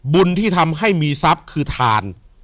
บุญที่ทำให้มีทรัพย์คือทาน